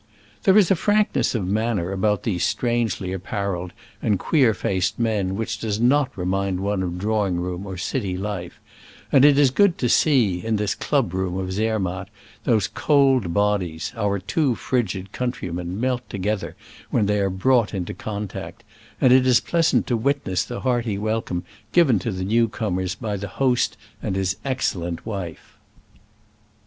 There is a frankness of manner about these strangely appareled and queer faced men which does not remind one of drawing room or city life ; and it is good to see — in this club room of Zer matt — those cold bodies, our too frigid countrymen, melt together when they are brought into contact; and it is pleas ant to witness the hearty welcome given to the new comers by the host and his excellent wife.